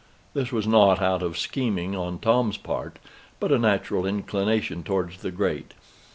This was not out of scheming on Tom's part, but a natural inclination towards the great.